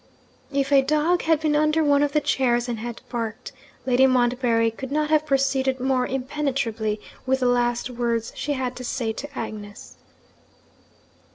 If a dog had been under one of the chairs, and had barked, Lady Montbarry could not have proceeded more impenetrably with the last words she had to say to Agnes.